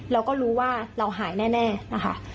เราก็รู้ว่าเราหายแน่นะคะ